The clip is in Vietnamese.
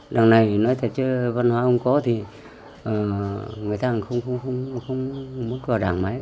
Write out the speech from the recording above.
đảng này nói thật chứ văn hóa không có thì người ta không mất vào đảng máy